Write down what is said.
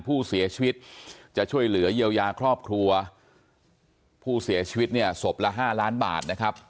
ผู้เสียชีวิตจะช่วยเหลือเยียวยาครอบครัวผู้เสียชีวิตเนี่ยศพละ๕ล้านบาทนะครับ